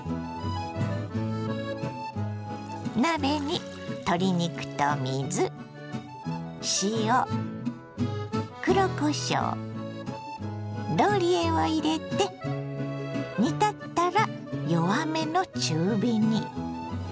鍋に鶏肉と水塩黒こしょうローリエを入れて煮立ったら弱めの中火に。